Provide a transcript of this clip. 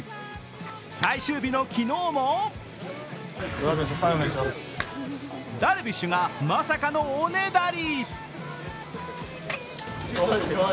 最終日の昨日もダルビッシュがまさかのおねだり。